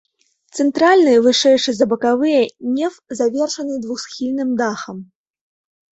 Цэнтральны, вышэйшы за бакавыя, неф завершаны двухсхільным дахам.